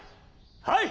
はい！